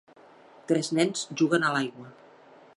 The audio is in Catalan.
Tres nens juguen a l'aigua.